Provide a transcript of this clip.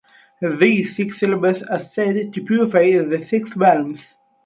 These six syllables are said to purify the six realms.